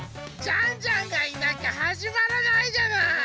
ジャンジャンがいなきゃはじまらないじゃない。